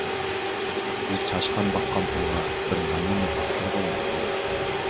يۈز چاشقان باققان پۇلغا بىر مايمۇننى باققىلى بولمايدۇ.